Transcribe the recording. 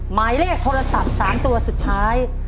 หมายเลขโทรศัพท์๓ตัวสุดท้าย